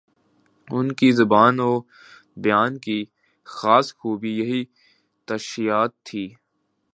ان کی زبان و بیان کی خاص خوبی یہی تشبیہات ہی